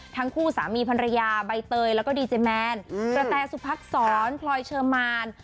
ทั้งคู่สามีพันรยาใบเตยแล้วก็ดีเจมันประแตรสุพักษรคลอยเชิมมาร